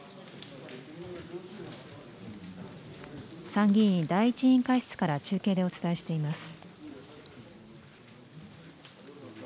参議院第１委員会室から中継でお伝えしています。